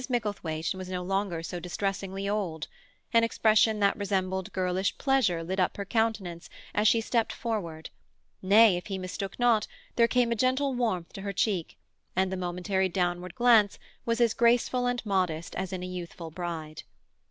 Micklethwaite was no longer so distressingly old; an expression that resembled girlish pleasure lit up her countenance as she stepped forward; nay, if he mistook not, there came a gentle warmth to her cheek, and the momentary downward glance was as graceful and modest as in a youthful bride.